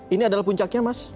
ini adalah puncaknya mas